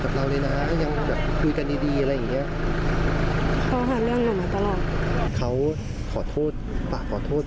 เขาหาเรื่องอู่นมาตลอด